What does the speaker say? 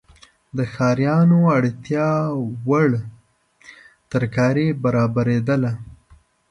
د ښاریانو اړتیاوړ ترکاري برابریدله.